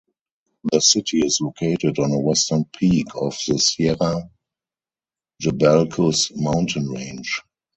The city is located on a western peak of the Sierra Jabalcuz mountain range.